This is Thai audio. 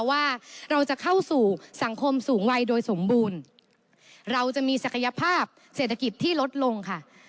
ว่าเราจะเข้าสู่สังคมสูงวัยโดยสมบูรณ์เราจะมีศักยภาพเศรษฐกิจที่ลดลงค่ะ